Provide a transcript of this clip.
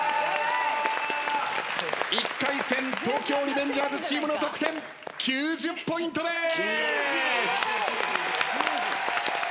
１回戦東京リベンジャーズチームの得点９０ポイントでーす！